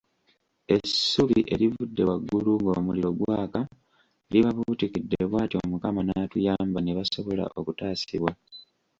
Essubi erivudde waggulu ng'omuliro gwaka libabuutikidde bw'atyo Mukama n'atuyamba ne basobola okutaasibwa.